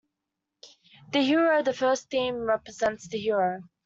"The Hero": The first theme represents the hero.